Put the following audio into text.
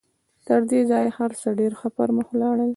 تر دې ځایه هر څه ډېر ښه پر مخ ولاړل